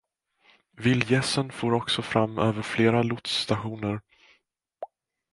Vildgässen for också fram över flera lotsstationer.